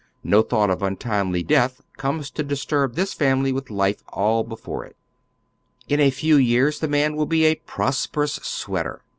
No thought of untimely death comes to disturb this family with life all before it. In a few years the man will be a prosperous sweater.